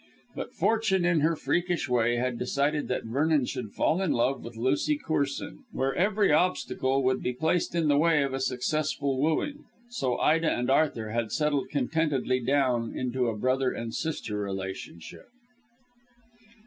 But Fortune in her freakish way had decided that Vernon should fall in love with Lucy Corsoon, where every obstacle would be placed in the way of a successful wooing, so Ida and Arthur had settled contentedly down into a brother and sister relationship.